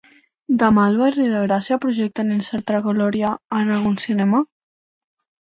Demà al barri de Gràcia projecten "Incerta glòria" en algun cinema?